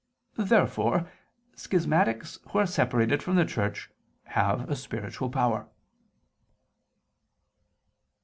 Therefore schismatics who are separated from the Church, have a spiritual power.